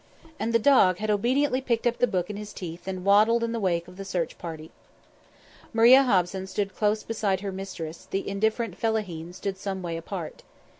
And the dog had obediently picked up the book in his teeth and waddled in the wake of the search party. Maria Hobson stood close beside her mistress; the indifferent fellaheen stood some little way apart.